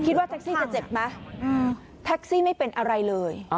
ว่าแท็กซี่จะเจ็บไหมแท็กซี่ไม่เป็นอะไรเลย